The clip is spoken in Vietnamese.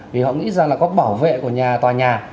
vì họ nghĩ rằng là có bảo vệ của nhà tòa nhà